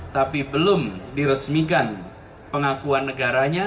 tapi belum diresmikan pengakuan negaranya